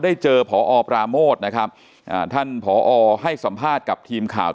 เจอพอปราโมทนะครับอ่าท่านผอให้สัมภาษณ์กับทีมข่าว